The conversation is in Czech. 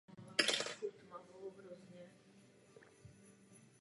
Je dostupný také pro mobilní zařízení.